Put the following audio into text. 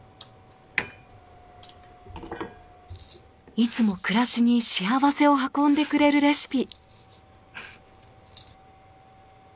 いつも暮らしに幸せを運んでくれるレシピ。